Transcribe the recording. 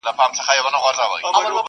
او د تاوتريخوالي پر ضد خبري کوي